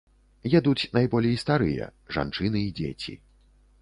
Едуць найболей старыя, жанчыны і дзеці.